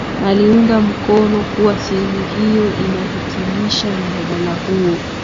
aliunga mkono kuwa sehemu hiyo inahitimisha mjadala huo